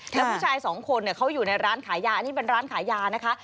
แล้วผู้ชายสองคนเขาอยู่ในร้านขายยาอันนี้เป็นร้านขายยานะคะ